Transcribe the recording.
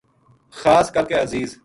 خاص کر کے عزیز